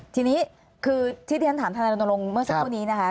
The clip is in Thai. ทีนี้คือที่ที่ฉันถามทนายรณรงค์เมื่อสักครู่นี้นะคะ